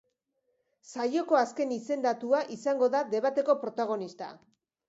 Saioko azken izendatua izango da debateko protagonista.